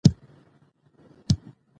د نجونو تعليم د عامه اعتماد دوام ساتي.